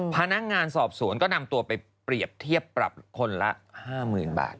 พนักงานสอบสวนก็นำตัวไปเปรียบเทียบปรับคนละ๕๐๐๐บาท